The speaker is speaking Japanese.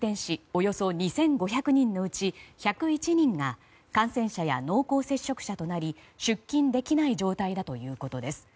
およそ２５００人のうち１０１人が感染者や濃厚接触者となり出勤できない状態だということです。